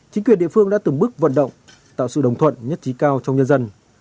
chính quyền địa phương đã từng bước vận động tạo sự đồng thuận nhất trí cao trong nhân dân